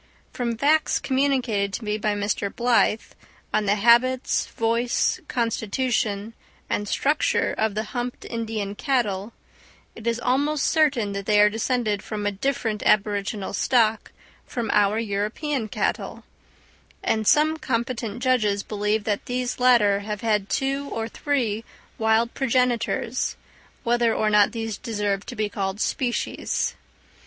From facts communicated to me by Mr. Blyth, on the habits, voice, constitution and structure of the humped Indian cattle, it is almost certain that they are descended from a different aboriginal stock from our European cattle; and some competent judges believe that these latter have had two or three wild progenitors, whether or not these deserve to be called species.